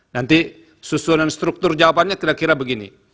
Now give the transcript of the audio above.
nanti susunan struktur jawabannya kira kira begini